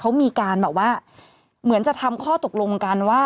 เขามีการแบบว่าเหมือนจะทำข้อตกลงกันว่า